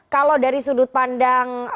kalau dari sudut pandang